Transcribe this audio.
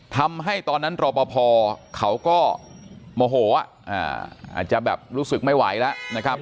ทำให้ตอนนั้นรอปภเขาก็โมโหอาจจะแบบรู้สึกไม่ไหวแล้วนะครับ